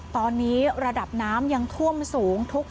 ตอนนี้ระดับน้ำยังท่วมสูง